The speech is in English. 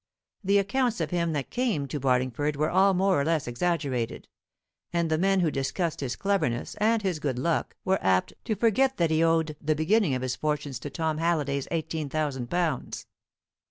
The accounts of him that came to Barlingford were all more or less exaggerated; and the men who discussed his cleverness and his good luck were apt to forget that he owed the beginning of his fortunes to Tom Halliday's eighteen thousand pounds.